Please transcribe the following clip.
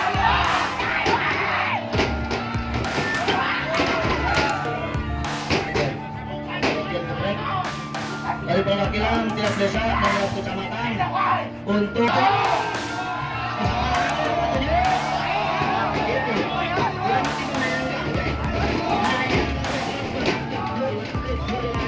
dari perwakilan tiap desa untuk